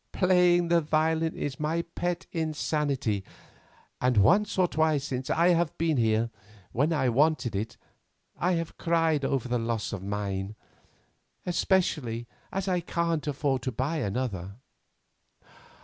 Playing the violin is my pet insanity, and once or twice since I have been here, when I wanted it, I have cried over the loss of mine, especially as I can't afford to buy another.